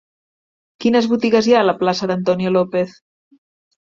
Quines botigues hi ha a la plaça d'Antonio López?